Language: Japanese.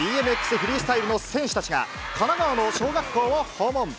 フリースタイルの選手たちが、神奈川の小学校を訪問。